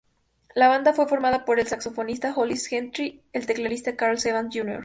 La banda fue formada por el saxofonista Hollis Gentry; el teclista Carl Evans Jr.